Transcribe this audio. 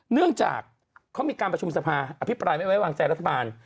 เนื่องจากเขามีการประชุมสภาอภิปรายไม่ไว้วางใจรัฐบาล